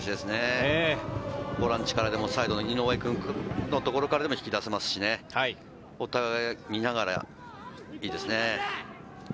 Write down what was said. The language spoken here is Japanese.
ボランチからでも井上君のところからでも引き出せますし、お互い見ながら、いいですね。